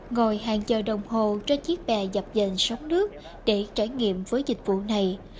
ngồi hàng giờ đồng hồ cho chiếc bè dập dền sóng nước để trải nghiệm với dịch vụ này